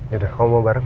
yaudah kamu mau bareng